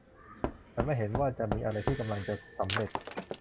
ฉันไม่เห็นว่าจะมีอะไรที่กำลังจะสำเร็จ